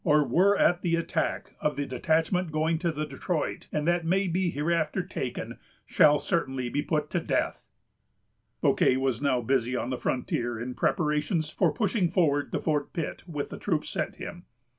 or were at the attack of the detachment going to the Detroit, and that may be hereafter taken, shall certainly be put to death." Bouquet was now busy on the frontier in preparations for pushing forward to Fort Pitt with the troops sent him.